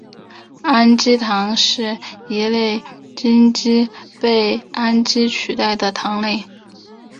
氨基糖是一类羟基被氨基取代的糖类。